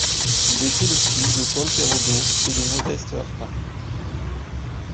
Il était le fils de Paul Pérodeau et de Modeste Arpin.